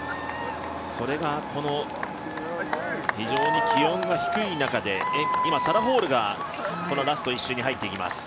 それがこの非常に気温が低い中で、今サラ・ホールが、ラスト１周に入っていきます。